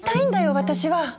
私は。